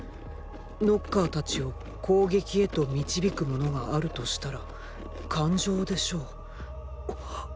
ノッカーたちを攻撃へと導くものがあるとしたら感情でしょうっ！